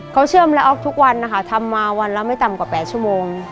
เขาเชื่อมและออกทุกวันนะคะทำมาวันละไม่ต่ำกว่า๘ชั่วโมง